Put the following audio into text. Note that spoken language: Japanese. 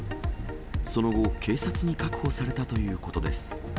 その後、警察に確保されたということです。